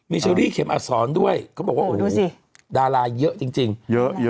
มีชั้นวิเห็มอับสอนด้วยเขาบอกว่าโหดูสิดาราเยอะจริงจริงเยอะเยอะเยอะ